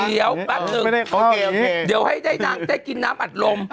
เดี๋ยวเดี๋ยวให้ได้นานได้กินน้ำอัดลม